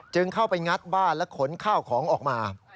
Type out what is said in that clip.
เข้าไปงัดบ้านและขนข้าวของออกมา